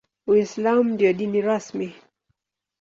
Uislamu ndio dini rasmi.